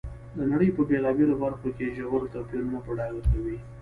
د نړۍ په بېلابېلو برخو کې ژور توپیرونه په ډاګه کوي.